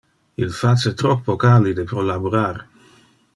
Il face troppo calide pro laborar.